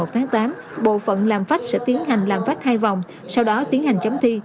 tháng tám bộ phận làm phát sẽ tiến hành làm phát hai vòng sau đó tiến hành chấm thi